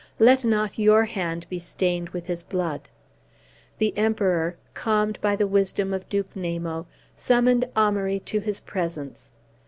Let not your hand be stained with his blood." The Emperor, calmed by the wisdom of Duke Namo, summoned Amaury to his presence.